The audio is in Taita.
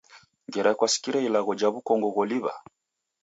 Ngera kwasikire ilagho ja w'ukongo gholiw'a?